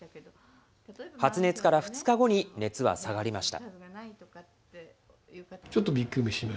発熱から２日後に熱は下がりました。